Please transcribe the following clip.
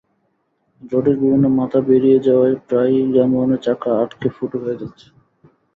রডের বিভিন্ন মাথা বেরিয়ে যাওয়ায় প্রায়ই যানবাহনের চাকা আটকে ফুটো হয়ে যাচ্ছে।